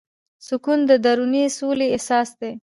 سکون د دروني سولې احساس دی.